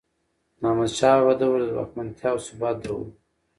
د احمدشاه بابا دور د ځواکمنتیا او ثبات دور و.